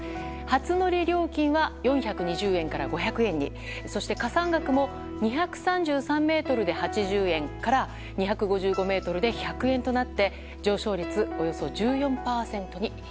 初乗り料金は４２０円から５００円に。加算額も２３３ｍで８０円から２５５ｍで１００円となって上昇率、およそ１４％に。